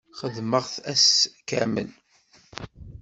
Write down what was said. Xedmeɣ-t ass kamel.